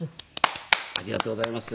ありがとうございます。